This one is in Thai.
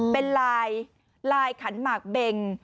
เป็นลายลายขันหมากเบง